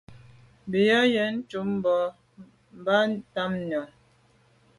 Bù à’ yə́n yúp mbɑ̂ bǎ tǎmnyɔ̀ŋ.